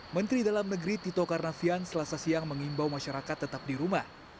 menteri dalam negeri tito karnavian selasa siang mengimbau masyarakat tetap di rumah